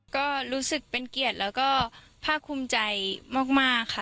ก็รู้สึกเป็นเกียรติแล้วก็ภาคภูมิใจมากค่ะ